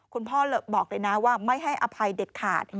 พ่อบอกเลยนะว่าไม่ให้อภัยเด็ดขาด